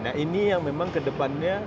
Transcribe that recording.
nah ini yang memang kedepannya